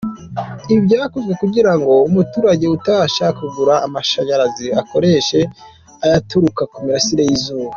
Ibi byakozwe kugira ngo umuturage utabasha kugura amashanyarazi akoreshe ayaturuka ku mirasire y’izuba.